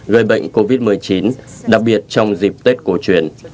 gây bệnh covid một mươi chín đặc biệt trong dịp tết cổ truyền